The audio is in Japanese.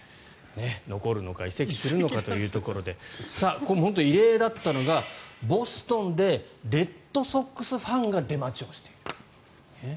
残るのか移籍するのかというところでこれも本当に異例だったのがボストンでレッドソックスファンが出待ちをしていると。